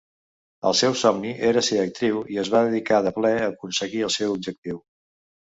El seu somni era ser actriu i es va dedicar de ple a aconseguir el seu objectiu.